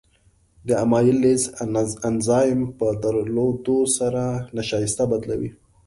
د امایلیز انزایم په درلودو سره نشایسته بدلوي.